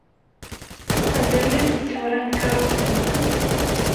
Anda llant tsura n tkeṛṛust-nwent?